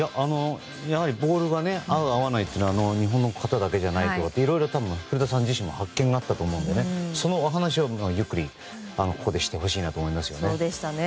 やはりボールが合う、合わないというのは日本の方だけじゃないっていろいろと古田さん自身も発見があったと思うのでそのお話をゆっくり、ここでしてほしいなと思いましたね。